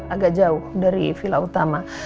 agak jauh dari villa utama